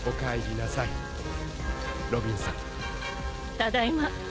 ただいま。